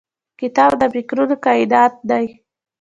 کتاب د فکرونو کائنات دی.